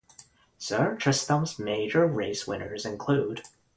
"Sir Tristram's major race winners include:"